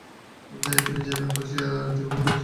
তিনি যে আঘাত পান সেই আর্তির বহিঃপ্রকাশ ঘটেছে কাব্যটিতে।